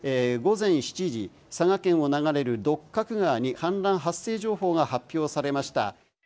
午前７時佐賀県を流れる六角川に氾濫発生情報が発表されました」。